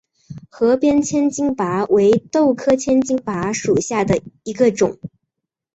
河边千斤拔为豆科千斤拔属下的一个种。